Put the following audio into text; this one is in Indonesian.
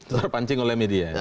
terpancing oleh media ya